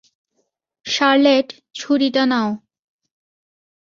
Charlotte, ছুরিটা নাও।